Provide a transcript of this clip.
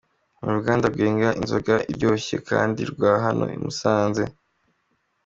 Ni uruganda rwenga inzoga iryoshye kandi rwa hano i Musanze.